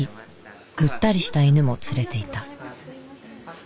ぐったりした犬も連れていた。